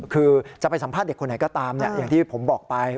คือจะไปสัมภาษณ์เด็กคนไหนก็ตามอย่างที่ผมบอกไป